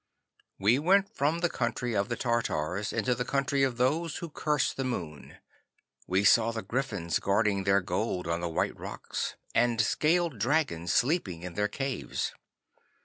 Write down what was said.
'We went from the country of the Tartars into the country of those who curse the Moon. We saw the Gryphons guarding their gold on the white rocks, and the scaled Dragons sleeping in their caves.